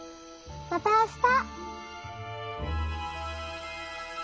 またあした。